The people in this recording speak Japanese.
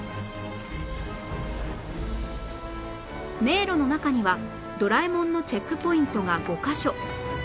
迷路の中にはドラえもんのチェックポイントが５カ所